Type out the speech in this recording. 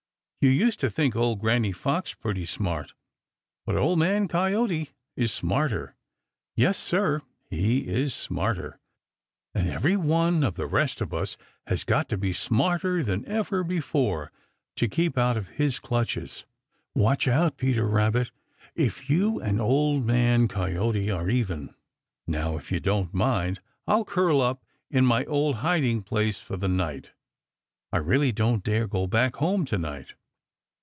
You used to think old Granny Fox pretty smart, but Old Man Coyote is smarter. Yes, Sir, he is smarter! And every one of the rest of us has got to be smarter than ever before to keep out of his clutches. Watch out, Peter Rabbit, if you and Old Man Coyote are even. Now, if you don't mind, I'll curl up in my old hiding place for the night. I really don't dare go back home to night."